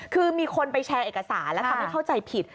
คือมีคนไปแชร์เอกสารแล้วทำให้เข้าใจผิด